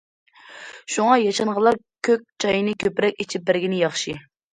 شۇڭا ياشانغانلار كۆك چاينى كۆپرەك ئىچىپ بەرگىنى ياخشى.